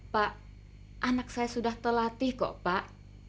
pak anak saya sudah terlatih kok pak